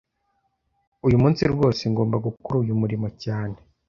Uyu munsi rwose ngomba gukora uyu murimo cyane